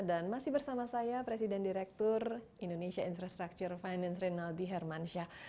jadi bersama saya presiden direktur indonesia infrastructure finance rinaldi hermansyah